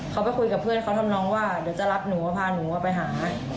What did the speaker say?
เขาไปคุยกับเพื่อนเขาทำนองว่าเดี๋ยวจะรับหนูพาหนูไปหา